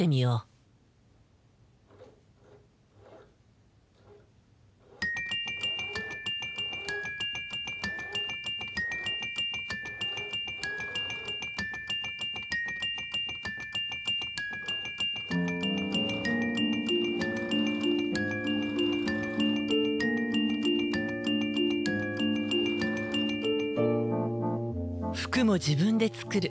服も自分で作る。